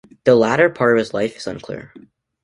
The latter part of his life is unclear.